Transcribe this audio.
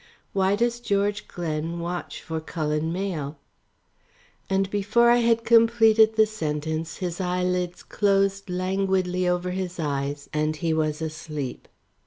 "Why does George Glen watch for Cullen Mayle?" and before I had completed the sentence his eyelids closed languidly over his eyes and he was asleep.